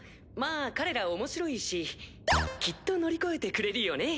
あ彼ら面白いしきっと乗り越えてくれるよね。